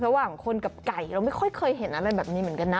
ระหว่างคนกับไก่เราไม่ค่อยเคยเห็นอะไรแบบนี้เหมือนกันนะ